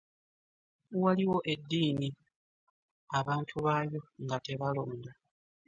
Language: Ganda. Waliwo eddiini abantu bayo nga tebalonda.